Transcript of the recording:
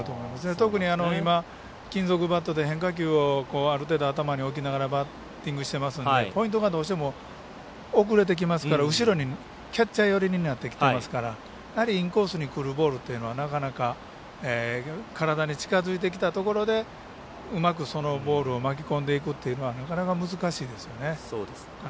特に今、金属バットで変化球をある程度頭に置きながらバッティングしていますのでポイントがどうしても遅れてきますから後ろ、キャッチャー寄りになってきてますからインコースにくるボールというのは、なかなか体に近づいてきたところでうまくそのボールを巻き込んでいくというのはなかなか難しいですよね。